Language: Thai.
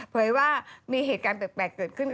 เยว่ามีเหตุการณ์แปลกเกิดขึ้น